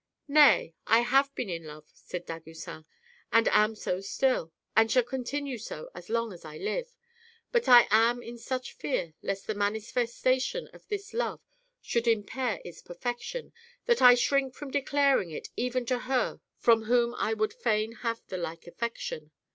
" Nay, I have been in love," said Dagoucin, " and am so still, and shall continue so as long as I live. But I am in such fear lest the manifestation of this love should impair its perfection, that I shrink from declaring it even to her from whom I would fain have the like affection.